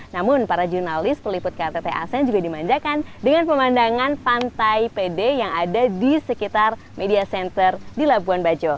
namun para jurnalis peliput ktt asean juga dimanjakan dengan pemandangan pantai pede yang ada di sekitar media center di labuan bajo